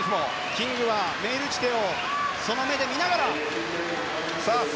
キングはメイルティテをその目で見ながらです。